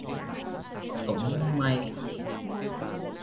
Cũng may